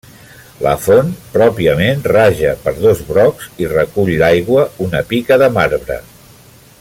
La font pròpiament raja per dos brocs i recull l'aigua una pica de marbre.